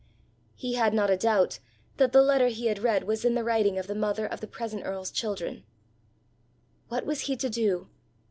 He had not a doubt that the letter he had read was in the writing of the mother of the present earl's children. What was he to do?